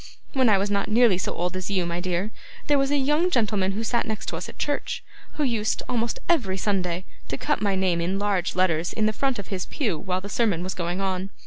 When I was not nearly so old as you, my dear, there was a young gentleman who sat next us at church, who used, almost every Sunday, to cut my name in large letters in the front of his pew while the sermon was going on.